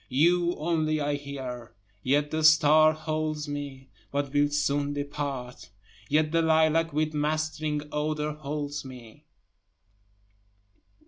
You only I hear yet the star holds me, (but will soon depart,) Yet the lilac with mastering odor holds me.